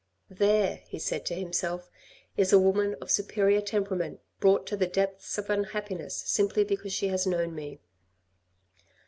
" There," he said to himself, " is a woman of superior temperament brought to the depths of unhappiness simply because she has known me."